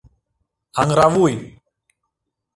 Аҥыравуй!